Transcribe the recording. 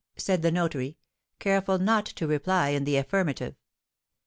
said the notary, careful not to reply in the affirmative.